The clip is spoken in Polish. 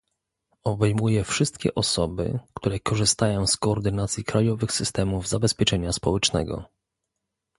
Obejmuje wszystkie osoby, które korzystają z koordynacji krajowych systemów zabezpieczenia społecznego